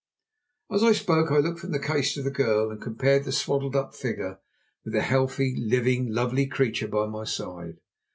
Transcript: As I spoke I looked from the case to the girl and compared the swaddled up figure with the healthy, living, lovely creature by my side.